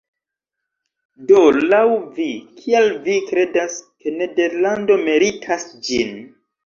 Do laŭ vi, kial vi kredas ke nederlando meritas ĝin?